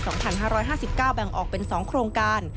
ส่วนปี๒๕๕๙แบ่งออกเป็น๒โครงการ